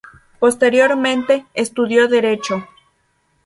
Posteriormente, estudió derecho.